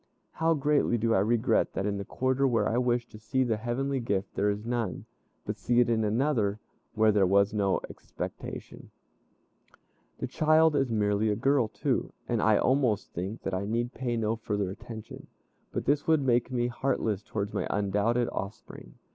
How greatly do I regret that in the quarter where I wished to see the heavenly gift, there is none, but see it in another, where there was no expectation. The child is merely a girl too, and I almost think that I need pay no further attention. But this would make me heartless towards my undoubted offspring.